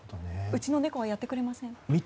うちの猫はやってくれません。